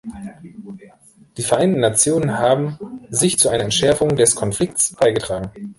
Die Vereinten Nationen haben sich zu einer Entschärfung des Konflikts beigetragen.